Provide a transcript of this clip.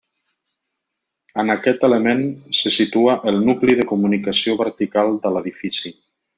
En aquest element se situa el nucli de comunicació vertical de l'edifici.